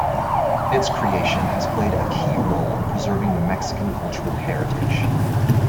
Its creation has played a key role in preserving the Mexican cultural heritage.